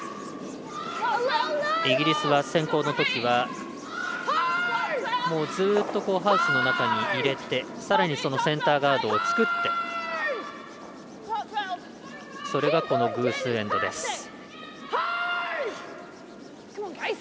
イギリスは先攻のときはずっとハウスの中に入れて、さらにセンターガードを作ってそのあとの偶数エンドです。